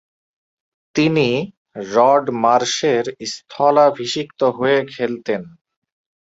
তিনি রড মার্শের স্থলাভিষিক্ত হয়ে খেলতেন।